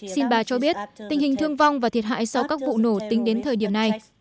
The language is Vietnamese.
xin bà cho biết tình hình thương vong và thiệt hại sau các vụ nổ tính đến thời điểm này